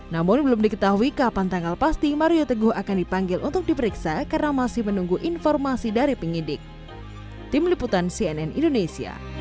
namun belum diketahui kapan tanggal pasti mario teguh akan dipanggil untuk diperiksa karena masih menunggu informasi dari penyidik